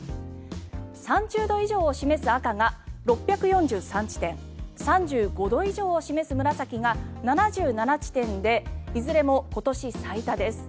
３０度以上を示す赤が６４３地点３５度以上を示す紫が７７地点でいずれも今年最多です。